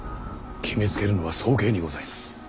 決めつけるのは早計にございます。